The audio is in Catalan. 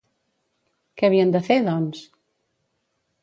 Què havien de fer, doncs?